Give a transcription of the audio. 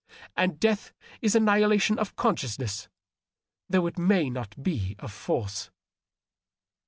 And death is annihilation of consciousness, though it may not be of force."